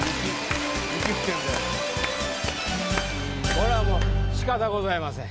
これはもうしかたございません。